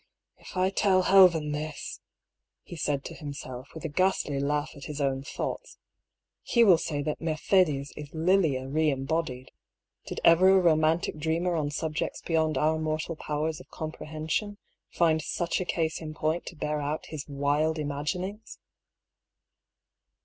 " If I tell Helven this," he said to himself, with a ghastly laugh at his own thoughts, " he will say that Mercedes is Lilia re embodied. Did ever a romantic dreamer on subjects beyond our mortal powers of com prehension find such a case in point to bear out his wild imaginings?"